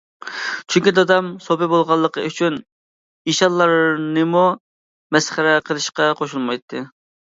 چۈنكى دادام سوپى بولغانلىقى ئۈچۈن ئىشانلارنىمۇ مەسخىرە قىلىشقا قوشۇلمايتتى.